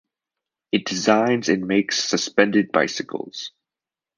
It designs and makes suspended bicycles.